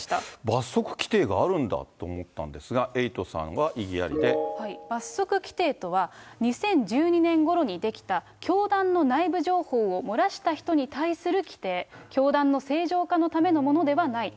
罰則規定があるんだって思ったんですが、エイトさんは異議あ罰則規定とは、２０１２年ごろに出来た教団の内部情報を漏らした人に対する規定。教団の正常化のためのものではない。